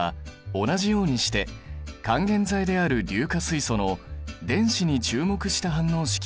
同じようにして還元剤である硫化水素の電子に注目した反応式を書いてみよう。